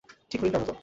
ঠিক হরিণটার মতো।